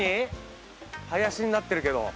林になってるけど。